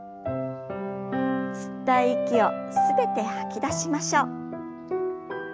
吸った息を全て吐き出しましょう。